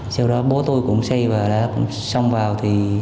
sau đó bố tôi cũng xây và đã xong vào